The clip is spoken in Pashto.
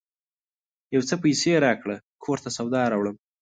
یو څه پیسې راکړه ! کور ته سودا راوړم